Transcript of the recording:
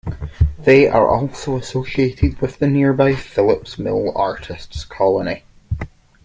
They are also associated with the nearby Phillips Mill artists colony.